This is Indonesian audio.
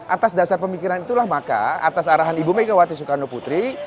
atas dasar pemikiran itulah maka atas arahan ibu megawati soekarno putri